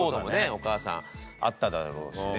お母さんあっただろうしね。